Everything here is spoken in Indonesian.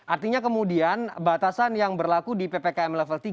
artinya kemudian batasan yang berlaku di ppkm level tiga